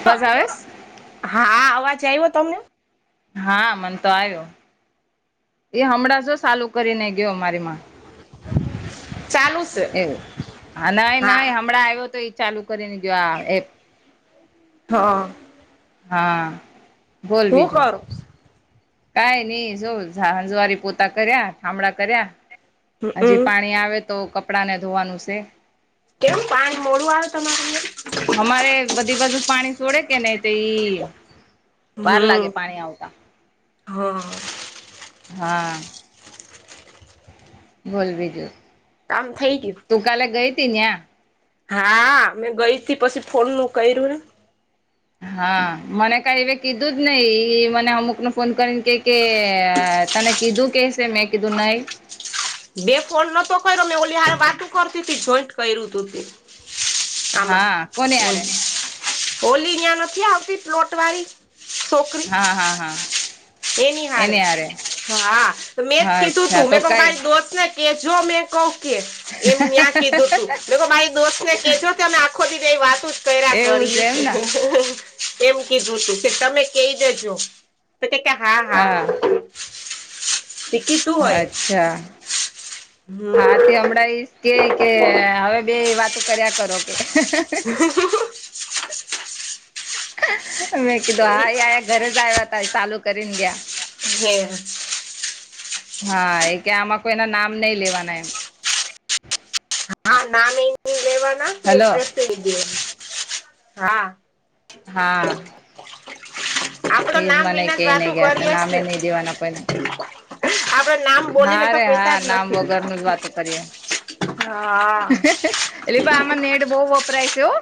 અવાજ આવેસ હા આ અવાજ આવ્યો તમને હા મને તો આવ્યો એ હમણાં જો ચાલું કરીને ગયો મારી માં ચાલુ છે એવું હ નઈ હા નઈ હમણાં આવ્યો તો એ ચાલુ કરી ને જો એ હા. હા બોલ હું બીજું કરું કઈ નહી જો હંજવારી પોતા કર્યા થામડા કર્યા હજી હમ પાણી આવે તો કપડા ને ધોવાનું છે. કેમ પાણી મોડું આવે તમારે અમારે બધી બાજુ પાણી છોડે કે નહી. તે વાર લાગે હમ પાણી આવું હા. હા બોલ બીજું કામ થઈ ગયું તું કાલે ગઈ હતી નયા હા મેં ગઈ થી પછી ફોનનું કર્યું ને હા મને કઈ એ કીધું જ નઈ મને અમુક ને ફોન કરીને કે કે તને કીધું કેસે મે કીધું નઈ બે ફોલ્ડ નતો કર્યો મેં ઓલી હારે વાત કરતી જોઈન્ટ કર્યું તું તું આમાં હા કોને બોલ યારે હોલી યા નથી આવતી પ્લોટ વાળી છોકરી હા હા હા. એ ની હાર એને યારે હા મેં જ હા કીધું અચ્છા તું તો કઈ મેંરી દોસ્ત ને તેજો મે કઉ કે એમ ત્યાં કીધું તું મા દોસ્તને કેજો આખો દી બે વાતો કર્યા એવું છે કરી એમને એમ કીધું તું કે તમે કઈ દેજો તો કે હા હા હા. પીકી તું હોય અચ્છા હા તે હમ્મ. હમણાં ઈ કે કે હવે બે વાતો કર્યા કરો. કે મેં કીધું હા આયા ઘરે જ આવ્યા હતા ચાલુ કરીને ગયા. હમ્મ હા એ કે આમાં કોઈ એના નામ નહી લેવાના એમ હા, નાની એ લેવાના કે હેલો એડ્રેસ લ દેવા હા હા આપડો ફીઝ, નામ મને વિના જ વાતું એકનેગયાશે કરીએ નામે છે નિ દવા ના કોઈને આપડે નામ બોલીને હા તો રે કેતા જ હા નામ નથી વગરનુ જ વાતો કરીએ હા એટલે પણ આમાં નેટ બહુ વપરાય છે, હો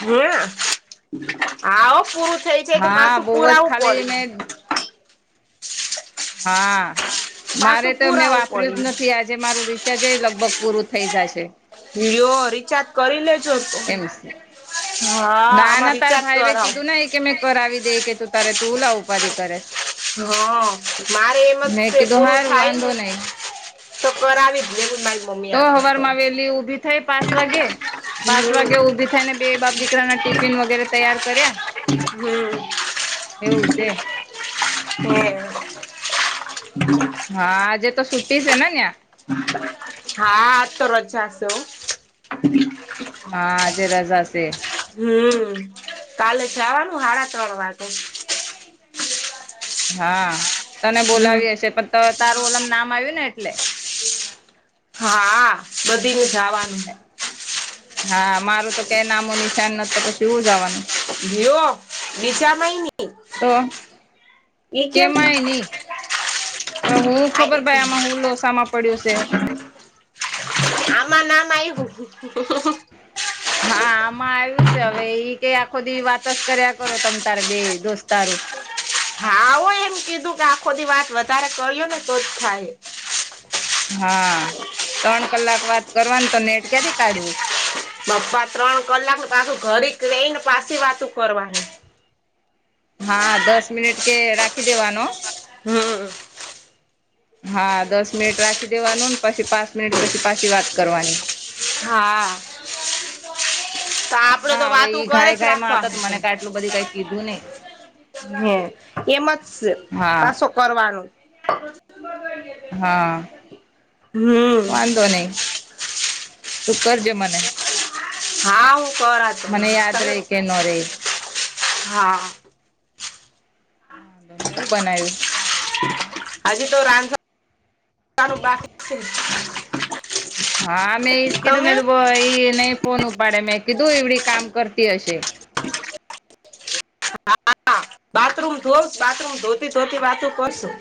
હે આ પુરુ થઈ છે, એ તો હા પાસું બહુ જ પુરાવું ખાલી પડી મેં હા મારે પાછું તો મેં પુરાવું વાપર્યુ જ પડ્યું નથી આજે જે મારુ રિચાર્જ લગભગ પૂરુ થઈ જાશે. વિયો રિચાર્જ કરી લેજો તો એમ છે હા આમા રિચાર્જ કરમ કેઇ કે મે કરાવી દે કે તુ તારે હુ લેવા ઉપાધી કરે હા મારે એમ જ મેં છે, કીધું પૂરુ હારું થાય ને વાંધો નહી તો કરાવી જ લેવુ તો હવારમાં આવેલી ઊભી થાય પાંચ વાગે. પાંચ હમ વાગે ઊભી થાયને બે બાપ દીકરા ના ટિફિન વગેરે તૈયાર કર્યા [unintelligible] એવું છે. [unintelligible] હા આજે તો છુટી છેને, ત્યા હા આજ તો રજા છે, હો હા આજે રજાશે હમ કાલે જાવાનુ સાડા ત્રણ વાગે. હા તને હમ બોલાવી હશે પણ તારું ઓલમ નામ આવ્યુંને એટલે હા બધી જવાનુ હા મારું તો ક્યા નામો નિશાન નથી તો પછી હુ જવાનુ ઓ વિશામાંઈની તો એ કેમ હુ આ ખબર એક ભાઈ આમાં હુ લોસામાં પડ્યું છે. આમા નામ આઈ હુ. હા આમાં આવ્યું છે, હવે ઈ કે આખો દી વાતજ કર્યા કરો તમે તારા બે દોસ્તારો હા હો એમ કીધું કે આખો દી વાત વધારે કર્યો ને તો જ થાય. હા ત્રણ કલાક વાત કરવાનું તો નેટ ક્યાંથી કાઢવુ. પપ્પા ત્રણ કલાક પાછું ઘરી રઈ ને પાછી વાતું કરવાનુ હા દસ મિનિટ કે રાખી દેવાનો હમ્મ હા દસ મિનિટ રાખી દેવાનો ને પછી પાંચ મિનિટ પછી પાછી વાત કરવાની હા તો આપડે હા તો હવે વાતું ઈ કરે ઘાય જ ધાયમા હતા રાખવાનું તો મને કઈ આટલું બધ કઈ કીધું નઈ હમ એમ જ છે હા પાછો કરવાનુ હા વાંધો નહી તું કરજે મને હા હું કરા મને યાદ તને રે કે ન રે હા હુ બનાવ્યુ હજી, તો રાંધવાનું બાકી જ છે. હા મેં ઈ જ કીધું મેં તો ઈ નઈ ફોન ઉપાડે મેં કીધું એવડી કામ કરતી હશે હા બાથરૂમ ધો બાથરૂમ ધોતી ધોતી વાતો કરશું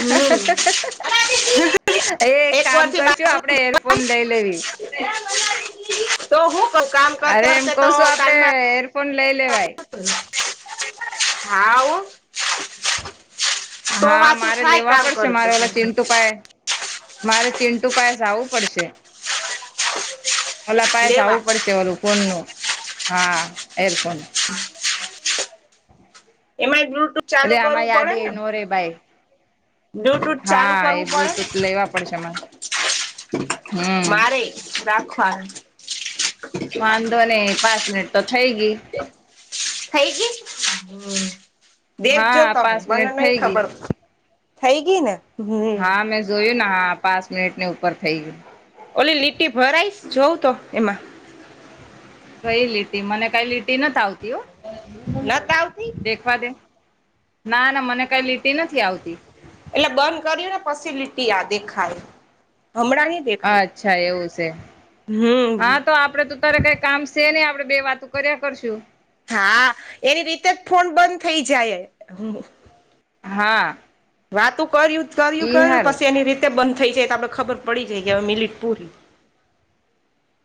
હમ એ એક કામ વાર થી કરશું આપડે એરફોન લઈ લેવી તો હું કઉ કામ કરતે અરે એમ કરતે કહશું આપડે એરફોન લઈ લેવાય હા ઓ હા મારે લેવા પડશે મારે ઓલા ચિમટુ પાહે હ મારે ચિંન્ટુ પાહે જાવું પડશે ઓલા પાસે લેવા જાવું પડશે ઓલું ફોન નું હા એરફોન એમાંય બ્લુટુથ ચાલુ કરવું પડે ને અરે ભાઈ બ્લ્યુટૂથ ચાલુ હા એ કરવું પડેને બ્લુટૂથ લેવા પડશે મારે હમ મારે રાખવા વાંધો નઈ પાંચ મિનિટ તો થઈ ગઈ થઈ ગય હમ દેખજો હા તમને પાંચ મને મિનિટ નઈ થઈ ગઈ ખબર થઈ ગઈ ને હમ હા મેં જોયું ને હા પાંચ મિનિટ ની ઉપર થઈ ગયું ઓલી લીટી ભરાઈશ જોઉં તો એમાં કઈ લીટી મને કઈ લીટી નથી આવતી હો નઠ આવતી દેખવા દે ના ના મને કઈ લીટી નથી આવતી એટલે બંધ કર્યું ને પસિ લિટી આ દેખાય હમણાં દેખાય અચ્છા એવું શે હમ હા તો આપડે તો અતયારે કઈ કામ શે ની આપડે બે વાતું કર્યા કરશું હા એની રીતે જ ફોન બંધ થઈ જાય હા વાતું કર્યું કર ઈ કર્યું હારું પછી એની રીતે બંધ થઇ જાય તો આપડે ખબર પડી જાય કે હવે મિલીટ પૂરી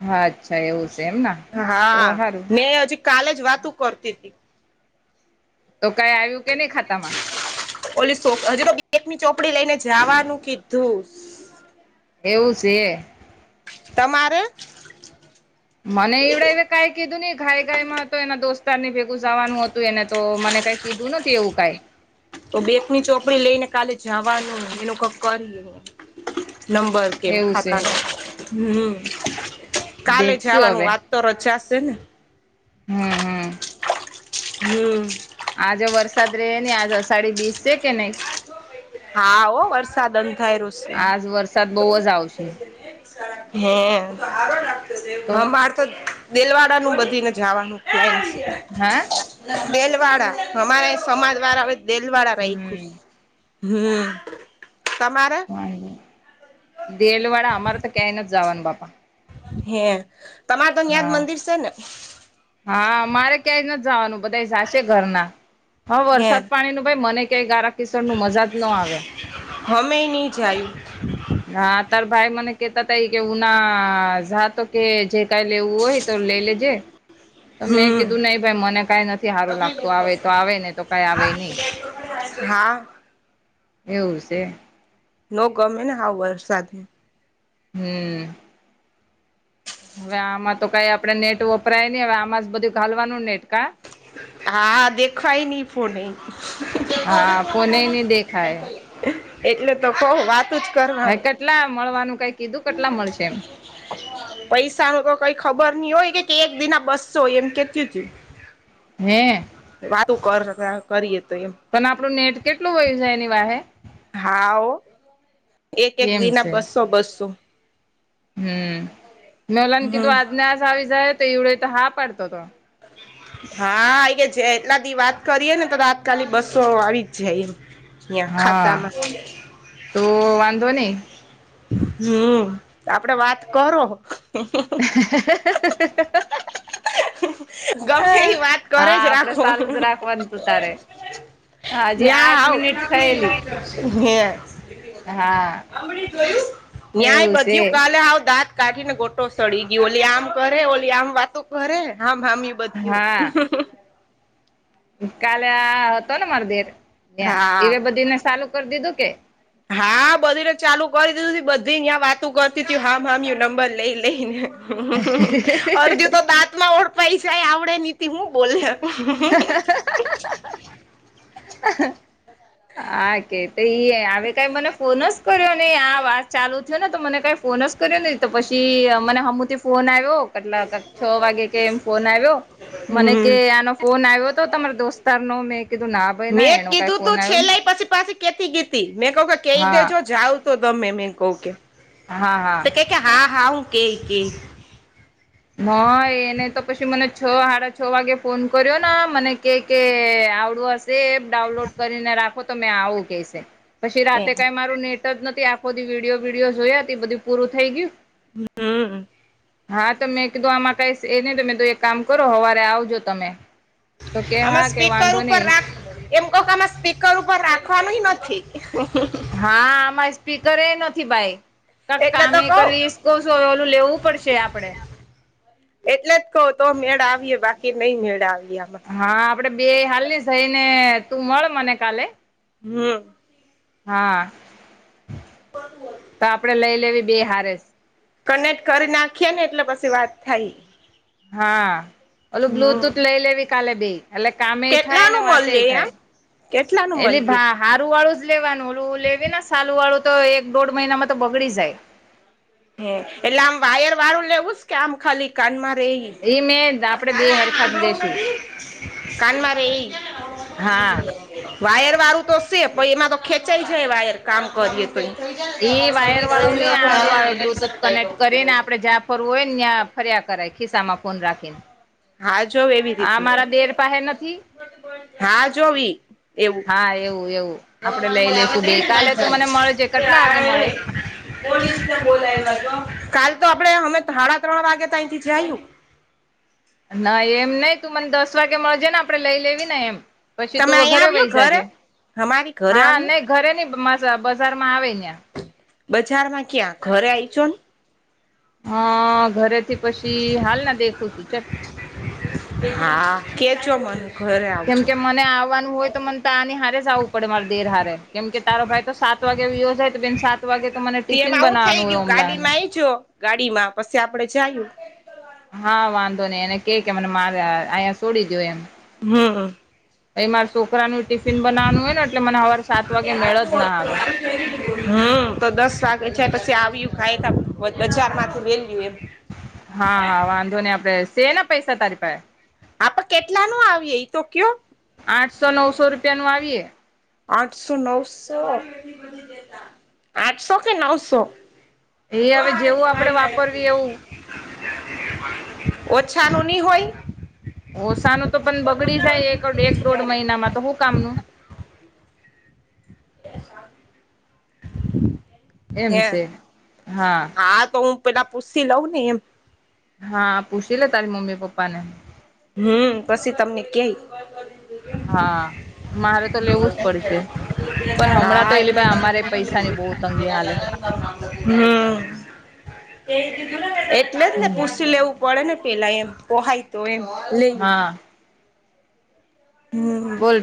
હા અચ્છા એવું છે એમને તો હા હારું મે હજી કાલે જ વાતો કરતી હતી તો કઈ આવ્યું કે નહી ખાતામાં ઓલી હજી તો બેકની ચોપડી લઈને જવાનું કીધું એવું છે હ તમારે મને એવડ એ કઈ કીધું નહી ઘાઈ ઘાઈ માં હતો એના દોસ્તાર ને ભેગું જવાનું હતું એને તો મને કઈ કીધું નથી એવું કઈ તો બેકની ચોપડી લઈને કાલે જવાનું એનો ક કરી નંબર કેમ એવું છે ખાતાનું હમ કાલે દેખશું જવાનું હવે વાત તો રજા છે ને હમ હમ હમ આજે વરસાદ રહે ની આજ અષાઢી બીસ છે કે નહી હા ઓ વરસાદ અંધાય રું છે આજ વરસાદ બહુ જ આવશે હે તો હ બાર દેલવાડા નું બધી ને જવાનું ફમ છે હેઅ દેલવાડા અમારે સમાજ વાળા હ દેલવાડા રાયખ્યું હમ હમ તમારે દેલવાડા અમારે તો ક્યાઈ નથી જવાનું બાપા હે તમાર તો ન્યાજ હા મંદિર છે ને હા મારે ક્યાંય નથી જવાનું બધા જાશે ઘરના હા હે વરસાદ પાણી ન ભાઈ મને ક્યાય ગારા કિશોર ન મજાજ ન આવ્યા હમે નહીં જાયુ. હા, ત ભાઈ મને કેતા તઈ કે ઉના જતો કે જે કાલે એવું હોય તો લઈ લેજે તો મેં હમ કીધું નહી ભાઈ મને કાઈ નથી સારુ લાગતુ આવે તો આવે ને તો કાઈ આવે નહી હા એવું છે. ન ગમે ને હાવ વરસાદ હમ્મ હવે આમાં તો કઈ આપડણે નેટ વપરાય નહી હવે આમાં જ બધું ઘાલવાનું નેટ કા હા દેખવાય નહી ફોન હા ફોને નહી દેખાય એટલે તો કઉ વાતું જ હા કરવાની કેટલા મળવાનું કઈ કીધું કેટલા મળશે એમ હ પૈસા ન તો કઈ ખબર નઈ હોય કે કે એક દિના બસો એમ કેતીું તયુ હ વાતું કર કરીએ તો એમ પણ આપણું નેટ કેટલું વય્યું છે, એની વાહે હા એક એક એમ વિના છે બસો બસો હમ મે ઓલાને હમ કીધું આજને આસ આવી આવી જાય તો એવડે તો હા પાડતો હતો. [inaudible] હા આ કે એટલાથી વાત કરીએ ને તો રાતકાાલી બસો આવી જ જાય, એમ હા ખાતામા તો વાંધો, નહી. હમ આપડે વાત કરો [inaudible] ગમે હા એ વાત કરે જ આપડે રાખો ચાલુ જ રાખવાનું તું તારે હજી યા આઠ મિનિટ આવ થયેલી હે હા ન્યાય એવું છે બધ્યું કાલે આવ દાંત કાઢી ને ગોટો સડી ગયો ઓલી આમ કરે ઓલી આમ વાતો કરે આમમી બધુ હા કાલે આ હતો, ને મારી દેર ત્યાં હા એવે બધીને સાલું કરી દીધુ કે હા બધી ને ચાલુ કરી દીધું બધી ત્યા વાતું કરતી તું હમ હમયુ નંબર લઈ લઈને હ અરધી તો દાંતમા ઓળપાઈ જાય આવડે નનીતી હુ બોલ હા, કે તો ઈ હ કઈ મને ફોન જ કર્યો ને આ વાત ચાલુ થયો ને તો મને કઈ ફોન જ કર્યો નહી તો પછી મને હમુથી ફોન આવ્યો. કેટલા છ, વાગે કે એમ ફોન આવ્યો મને કે હમ આનો ફન આવ્યો હતો, તમારા દોસ્તાર નો મેં કીધુ ના ભાઈ ના મેં એનો કઈ કીધું તુ ફોન આવ્યો ને છેલ્લે પછી પાછી. કેતી ગીતી, મેં ક કે કહી હા દેજો જાવ તો તમે મે કહ કે હા હા તો કે હા હા હુ કે કે હ એને તો પછી મને છ સાડા છ, વાગે ફોન કર્યો મને કે કે આવડુ હશે. તે એપ ડાઉનલોડ કરીને રાખો તો મેં આવુ કસે પછી રાતે એમ કઈ મારું નેટ જ નથી આખોધી વિડીયો વિીડીયો જોયા બધું પૂરું થઈ ગયુ. હમ્મ હા તમે કીધું આમાં કઈ એ નહી, તમે તો એક કામ કરો સવારે આવજો તમે તો કે આમાં હા કે સ્પીકર વાંધો ઉપર નહી રાખ એમ કક આમાં સ્પીકર ઉપર રાખવાનું નથી. હા આમાં સ્પીકર એ નથી ભાઈ. ક એટલે તો કામે કર્યું કહ કોશો ઓલું લેવું પડશે આપડે. એટલેજ કોતો મેળ આવીયે બાકી નહી મેળ આવીએ આમાં. હા આપડે બે હાલ ની સઈને તું મળ મને કાલે હમ્મ હા, તો આપડે લઈ લેવી બે હારેસ. કનેક્ટ કરી નાખીએને, એટલે પસી વાત થાય. હા ઓલું હમ બ્લુટૂથ લઈ લવી કાલે બે. એટલે કામે થાય, ને કેટલાનું વાતે મળે એમ થાય, કેટલાનું એલી મળીએ ભા હાથ રૂ વાળુંજ લેવાનું, ઓલું લેવીને સાલુ વાળું તો એક દોઢ મહિનામાં તો બગડી જાય. હે, એટલે આમ વાયર વાળું લેવુંસ? કે આમ ખાલી કાનમાં રહી ઈ? એમેં આપડે બે હરખાજ લેશુ. કાનમા રે ઈ. હા વાયર વાળું તો સે, પણ એમાંતો ખેંચાય જાય વાયર કામ કરીએ તો. એ વાયર વાળો ને આલું આવે [inaudible] બ્લુટૂથ કનેક્ટ કરીને, આપડે જ્યાં ફરવુ હોય ને ન્યા ફર્યા કરાય, ખિસ્સામાં ફોન રાખીને. હા જોઓ એવી હા રીતના. મારા બેર પાસે નથી હા, જોવી એવું. હા એવું એવું આપડે લઈ લેશું બે કાલે તું મને મળજે કેટલા વાગે મળે [unintelligible] [unintelligible] કાલતો આપડે હમે સાડા ત્રણ વાગેતો અઇથી જાયું. ના એમ નહી, તું મને દસ વાગે મળજેને, આપડે લઈ લેવી ને એમ. પછી તમે તુંઓ અહીંયા ઘરે આવ્યો વહી જા જે, અમારી ઘરે હા આવ્યો નઈ ઘરે નહી માઝા બજાર માં આવ અહીંયા. બજાર માં ક્યાં, ઘરે આઈજો ને. હા, ઘરેથી પછી હાલને દેખું છું ચ. હા, કેજો મન. કેમકે મને આવવાનું હોય તો મનતો આની હારેજ આવું પડે મારે દેર હારે, કેમ કે તારો ભાઈ તો સાત વાગે વીયો જાય, તો બેન સાત વાગે તો મને ટિફિન પીએમાં આવું થઈ બનાવાનું હોય ગયું, ઓમલાનું ગાડીમાં આઈજો, ગાડીમાં પછી આપડે જાયું. હા વાંધો નઈ, એને કે કે મને મારે અ અહીંયા સોડી દયો એમ. હમ્મ એ મારે શોકરાનું ટિફિન બનાવાનું હોયને, એટલે મને સવારે સાત વાગે મેળજ ના આવે. હમ્મ, તો દસ વાગે છે, પછી આવય્યું ખાયત વદચા માથું બે પીવે હા હા વાંધો ને આપડે સેલ અપ પૈસા તારી પાહે. આપ કેટલાનું આવીયે એ તો કયો. આઠસો, નવસો રૂપિયા નું આવીયે. આઠસો! નવસો! આઠસો કે નવસો? એ હવે જેવું આપડે વાપરવી એવું. ઓછા નું ની હોય. ઓસાનું તો પણ બગડી જાય, એક એક દોઢ મહિનામાં તો હું કામનું? એમ હે, છે હા તો હું પેલા પૂસી લઉંને એમ. હા, પૂછી લે તારી મમ્મી પપ્પા ને. હમ્મ, પસી તમને કે. હા, મારે તો લેવુંજ પડશે. પણ હમણાં હા તો એલે ભાઈ, અમારે પૈસાની બહુ તંગી હાલે. હમ્મ, એટલે જ ને હમ પૂસી લેવું. પડેને પેલા એમ, પહાય તો એમ. લઈ હા. હમ બોલ.